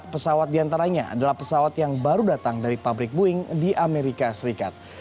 pesawat diantaranya adalah pesawat yang baru datang dari pabrik boeing di amerika serikat